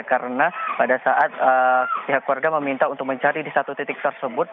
karena pada saat pihak warga meminta untuk mencari di satu titik tersebut